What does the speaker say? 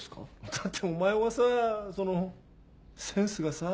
だってお前はさぁそのセンスがさぁ。